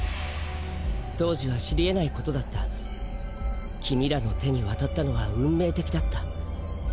当時は知りえない事だった君らの手に渡ったのは運命的だった。